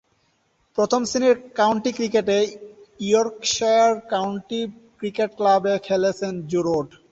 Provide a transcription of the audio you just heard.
প্রথম-শ্রেণীর কাউন্টি ক্রিকেটে Yorkshire county cricket ক্লাবে খেলে থাকেন জো রুট।